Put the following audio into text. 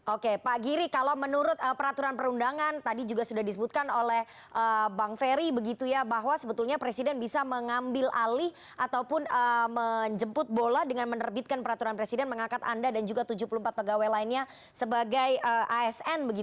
oke pak giri kalau menurut peraturan perundangan tadi juga sudah disebutkan oleh bang ferry begitu ya bahwa sebetulnya presiden bisa mengambil alih ataupun menjemput bola dengan menerbitkan peraturan presiden mengangkat anda dan juga tujuh puluh empat pegawai lainnya sebagai asn